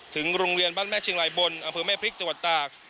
โรงเรียนบ้านแม่เชียงรายบนอำเภอแม่พริกจังหวัดตาก